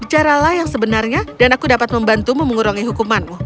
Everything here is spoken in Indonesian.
bicaralah yang sebenarnya dan aku dapat membantu memengurangi hukumanmu